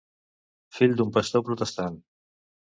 Fill d'un pastor protestant.